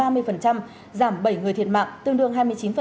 giảm bảy người thiệt mạng tương đương hai mươi chín